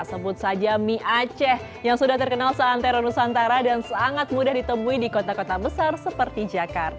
sebut saja mie aceh yang sudah terkenal seantero nusantara dan sangat mudah ditemui di kota kota besar seperti jakarta